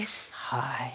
はい。